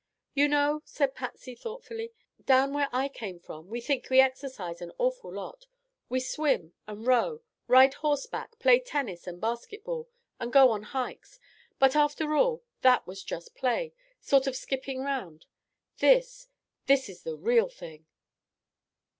"You know," said Patsy thoughtfully, "down where I came from we think we exercise an awful lot. We swim and row, ride horseback, play tennis and basket ball, and go on hikes. But, after all, that was just play—sort of skipping 'round. This—this is the real thing!"